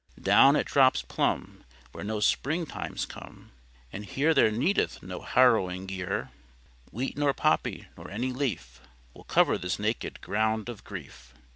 Down it drops plumb, Where no spring times come; And here there needeth no harrowing gear: Wheat nor poppy nor any leaf Will cover this naked ground of grief.